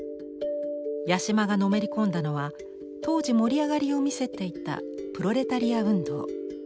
八島がのめり込んだのは当時盛り上がりを見せていた「プロレタリア運動」。